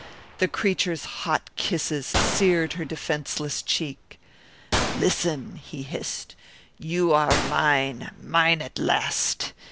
The creature's hot kisses seared her defenseless cheek. "Listen!" he hissed. "You are mine, mine at last.